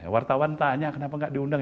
wartawan tanya kenapa nggak diundang